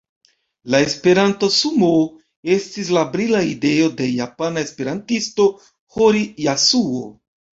La Esperanto-sumoo estis la brila ideo de japana esperantisto, Hori Jasuo.